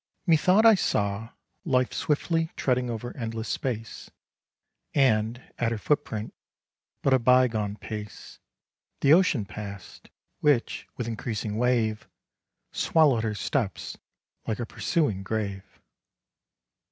Methought I saw Life swiftly treading over endless space; And, at her foot print, but a bygone pace, The ocean past, which, with increasing wave, Swallow'd her steps like a pursuing grave.